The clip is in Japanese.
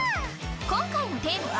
今回のテーマは。